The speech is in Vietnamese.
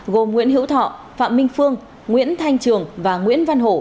gồm nguyễn hữu thọ phạm minh phương nguyễn thanh trường và nguyễn văn hổ